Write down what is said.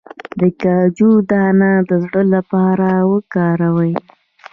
د کاجو دانه د زړه لپاره وکاروئ